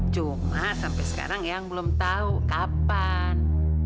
cuma sampai sekarang yang belum tahu kapan